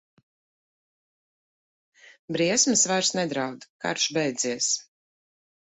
Briesmas vairs nedraud, karš beidzies.